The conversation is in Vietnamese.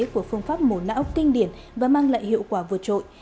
của phương pháp mổ não kinh điển và mang lại hiệu quả vượt trội